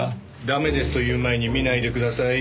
ダメですと言う前に見ないでください。